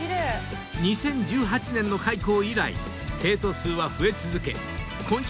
［２０１８年の開校以来生徒数は増え続け］